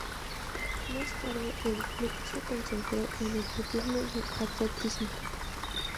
Más tarde el club se concentró en atletismo de atletismo.